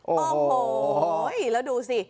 โอ้โหแล้วดูสิ